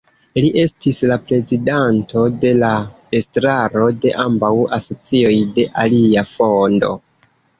Li estis la prezidanto de la estraro de ambaŭ asocioj de ilia fondo.